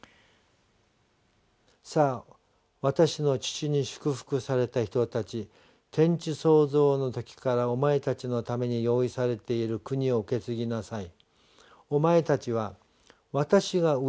「さあ私の父に祝福された人たち天地創造の時からお前たちのために用意されている国を受け継ぎなさい」。